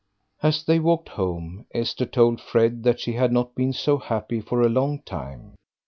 As they walked home, Esther told Fred that she had not been so happy for a long time.